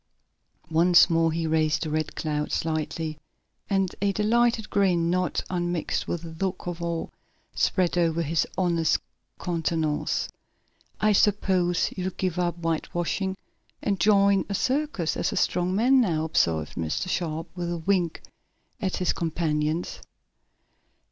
Once more he raised the Red Cloud slightly, and a delighted grin, not unmixed with a look of awe, spread over his honest countenance. "I suppose you'll give up whitewashing and join a circus as a strong man, now," observed Mr. Sharp, with a wink at his companions.